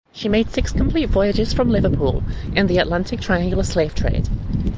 She made six complete voyages from Liverpool in the Atlantic triangular slave trade.